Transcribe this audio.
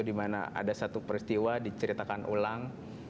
dimana ada satu peristiwa diceritakan ulang